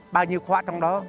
bao nhiêu khoa trong đó